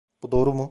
Bu doğru mu?